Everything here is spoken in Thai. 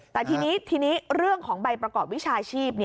แต่ทีนี้ทีนี้เรื่องของใบประกอบวิชาชีพ